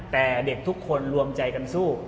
แต่เด็กทุกคนรวมใจกันสู้